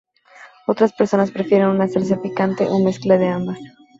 Otras personas prefieren una salsa picante o mezcla de ambas.